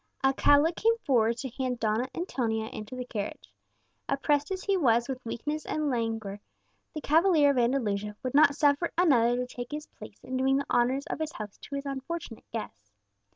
Alcala came forward to hand Donna Antonia to the carriage; oppressed as he was with weakness and languor, the cavalier of Andalusia would not suffer another to take his place in doing the honours of his house to his unfortunate guests.